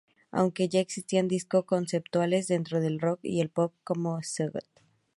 Aunque ya existían discos conceptuales dentro del rock y el pop, como "Sgt.